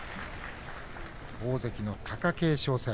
大関の貴景勝戦。